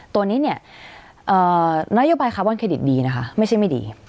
ตัวนี้เนี่ยนโยบายคาร์บอนเครดิตดีนะคะไม่ใช่ไม่ดี